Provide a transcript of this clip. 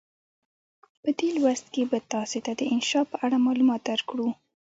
په دې لوست کې به تاسې ته د انشأ په اړه معلومات درکړو.